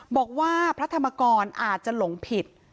บอกว่าพระธรรมกรอาจจะหลงผิด